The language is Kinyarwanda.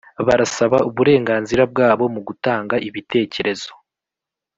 Barasaba uburenganzira bwabo mugutanga ibitekerezo